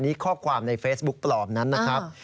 ข้อความในเฟซบุ๊กปลอมนั้นนะครับ